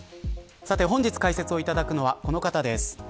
さて、本日解説をいただくのはこの方です。